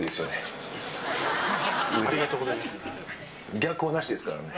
逆はなしですからね。